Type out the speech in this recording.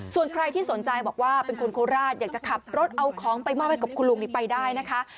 ส่วนใครที่สนใจบอกว่าเป็นคนโคราชอยากจะขับรถเอาของไปมอบให้กับคุณลุงนี่ไปได้นะคะ